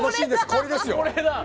これですよ。